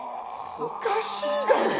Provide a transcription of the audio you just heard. おかしいだろ。